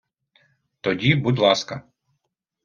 Тоді, будь ласка.